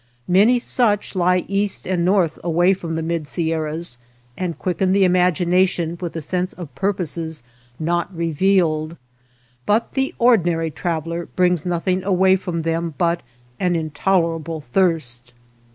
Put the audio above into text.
Many such lie east and north away from the mid Sierras, and quicken the imagination wath the sense of pur poses not revealed, but the ordinary trav eler brings nothing away from them but an intolerable thirst.